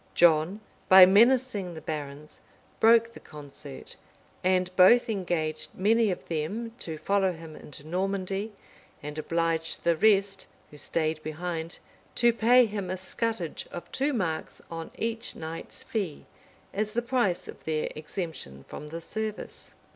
John, by menacing the barons, broke the concert; and both engaged many of them to follow him into Normandy, and obliged the rest, who staid behind, to pay him a scutage of two marks on each knight's fee, as the price of their exemption from the service.